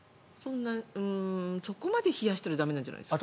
そこまで冷やしたら駄目なんじゃないですか？